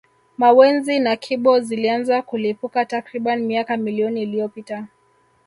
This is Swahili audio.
Mawenzi na Kibo zilianza kulipuka takriban miaka milioni iliyopita